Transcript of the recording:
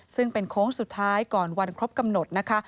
ซึ่งเป็นโค้งสุดท้ายก่อนวันครบกำหนดนะคะ